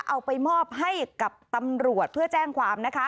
เอาไปมอบให้กับตำรวจเพื่อแจ้งความนะคะ